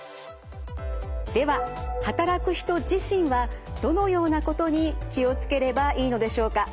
では働く人自身はどのようなことに気を付ければいいのでしょうか？